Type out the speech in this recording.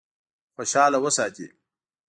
خوشاله وساتي.